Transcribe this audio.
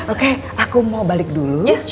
oke aku mau balik dulu